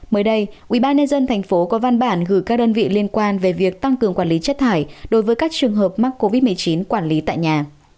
mới đây ubnd tp có văn bản gửi các đơn vị liên quan về việc tăng cường quản lý chất thải đối với các trường hợp mắc covid một mươi chín quản lý tại nhà